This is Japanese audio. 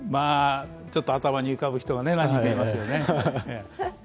ちょっと頭に浮かぶ人は何人かいますよね。